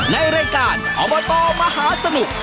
ในรายการอบตมหาสนุก